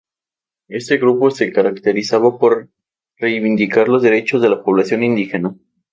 Este grupo se caracterizaba por reivindicar los derechos de la población indígena.